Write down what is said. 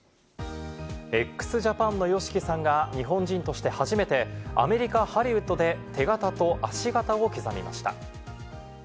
ＸＪＡＰＡＮのＹＯＳＨＩＫＩさんが日本人として初めてアメリカ・ハリウッドで手形と足形を刻みました。